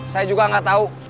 saya juga gak tahu